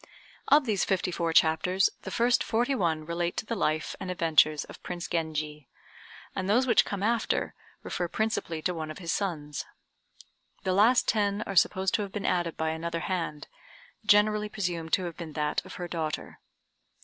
Of these fifty four chapters, the first forty one relate to the life and adventures of Prince Genji; and those which come after refer principally to one of his sons. The last ten are supposed to have been added by another hand, generally presumed to have been that of her daughter.